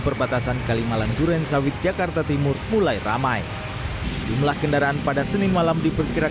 perbatasan kalimalang durensawit jakarta timur mulai ramai jumlah kendaraan pada senin malam diperkirakan